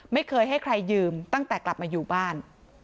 ไม่เคยให้ใครยืมตั้งแต่กลับมาอยู่บ้าน